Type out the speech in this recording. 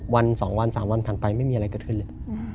วัน๒วัน๓วันผ่านไปไม่มีอะไรก็เคลื่อนเลย